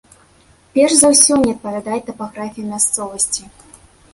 Перш за ўсё не адпавядае тапаграфія мясцовасці.